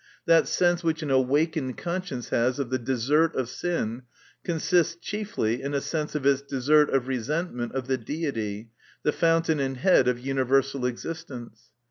That sense which an awakened conscience \\zu of the desert of sin, consists chiefly in a sense of its desert of resentment of the Deity, the fountain and head of universal existence.